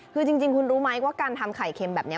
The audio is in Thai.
คือจริงคุณรู้ไหมว่าการทำไข่เค็มแบบนี้